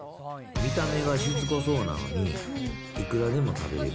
見た目がしつこそうなのに、いくらでも食べれる。